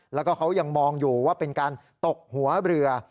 แล้วก็เขายังมองอยู่ว่าเป็นการตกหัวเรือ